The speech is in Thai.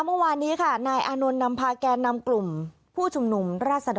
เมื่อวานนี้ค่ะนายอานนท์นำพาแก่นำกลุ่มผู้ชุมนุมราชดร